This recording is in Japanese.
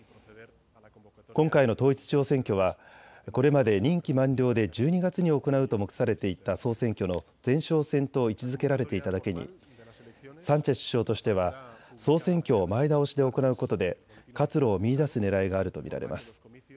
今回の統一地方選挙はこれまで任期満了で１２月に行うと目されていた総選挙の前哨戦と位置づけられていただけにサンチェス首相としては総選挙を前倒しで行うことで活路を見いだすねらいがあると見られます。